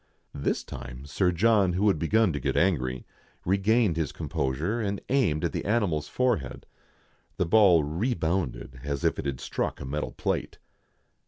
This time Sir John, who had begun to get angry, re gained his composure, and aimed at the animal's forehead. The ball rebounded, as if it had struck a metal plate.